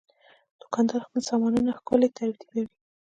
دوکاندار خپل سامانونه ښکلي ترتیبوي.